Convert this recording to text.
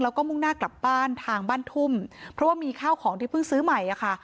แล้วก็มุ่งหน้ากลับบ้านทางบ้านทุ่มเพราะว่ามีข้าวของที่เพิ่งซื้อใหม่อ่ะค่ะ